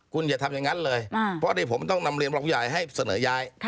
คุณอย่าทำอย่างนั้นเลยเพราะที่ผมต้องนำเรียนรองผู้ใหญ่ให้เสนอย้าย